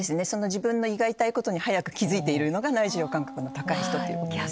自分の胃が痛いことに早く気付いているのが内受容感覚の高い人ってことです。